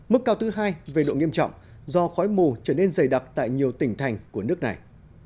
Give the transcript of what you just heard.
mức cao thứ hai về độ nghiêm trọng do khói mù trở nên dày đặc tại nhiều tỉnh thành của nước này